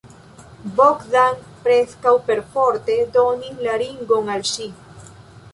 Bogdan preskaŭ perforte donis la ringon al ŝi.